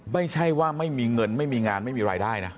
ไม่ใช่ว่าไม่มีเงินไม่มีงานไม่มีรายได้นะ